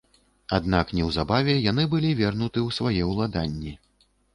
Аднак неўзабаве яны былі вернуты ў свае ўладанні.